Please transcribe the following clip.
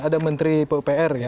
ada menteri ppr ya